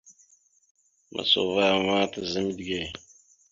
Maɓəsa uvah a ma taza midǝge.